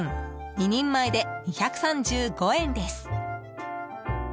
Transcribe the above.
２人前で２３５円です。